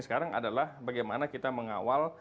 sekarang adalah bagaimana kita mengawal